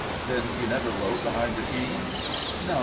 "Then you never rode behind a team?" "No.